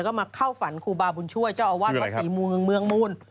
แล้วก็มาเข้าฝันคู่บาบุญช่วยเจ้าอวาทวัดสีเมืองเมืองมูล